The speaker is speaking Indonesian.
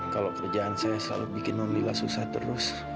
kalau kerjaan saya selalu bikin nolila susah terus